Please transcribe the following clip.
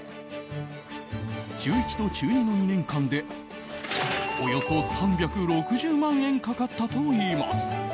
中１と中２の２年間でおよそ３６０万円かかったといいます。